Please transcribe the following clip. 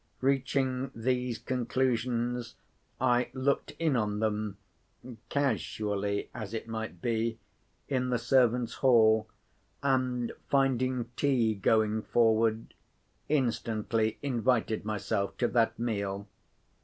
Reaching these conclusions, I looked in on them, casually as it might be, in the servants' hall, and, finding tea going forward, instantly invited myself to that meal.